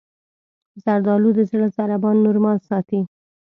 زردالو د زړه ضربان نورمال ساتي.